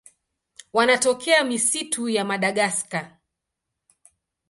Wanatokea misitu ya Madagaska.